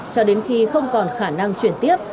cho đến khi không còn khả năng chuyển tiếp